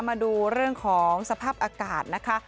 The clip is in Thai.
มาดูเรื่องของสภาพอากาศนะคะ